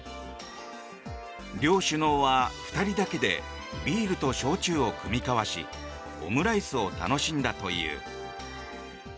両首脳は２人だけでビールと焼酎を酌み交わしオムライスを楽しんだという。